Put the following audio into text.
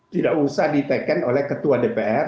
tidak usah diteken oleh ketua dpr